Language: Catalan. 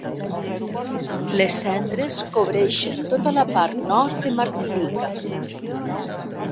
Les cendres cobreixen tota la part nord de Martinica.